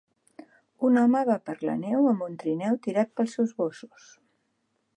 Un home va per la neu amb un trineu tirat pels seus gossos.